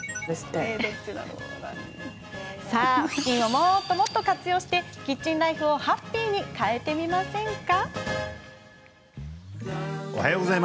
さあ、ふきんをもっと活用してキッチンライフをハッピーに変えてみませんか？